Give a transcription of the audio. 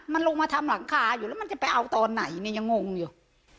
มันลงมาทำหลังคาอยู่แล้วมันจะไปเอาตอนไหนเนี่ยยังงงอยู่